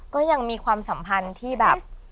ก็ยังมีความสัมพันธ์ที่แบบ